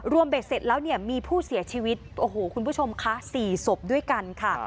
รวมเบ็ดเสร็จแล้วมีผู้เสียชีวิตคุณผู้ชมคะ๔ศพด้วยกันค่ะ